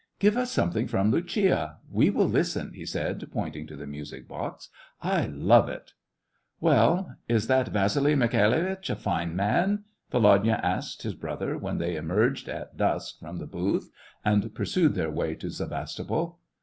" Give us something from 'Lucia'; we will listen," he said, pointing to the music box. *' I love it." "Well, is that Vasily Mikhailitch a fine man >" Volodya asked his brother when they emerged, at dusk, from the booth, and pursued their way to Sevastopol.